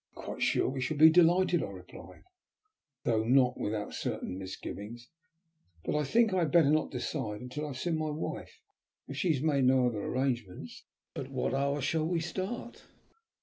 "I am quite sure we shall be delighted," I replied, though not without certain misgivings. "But I think I had better not decide until I have seen my wife. If she has made no other arrangements, at what hour shall we start?"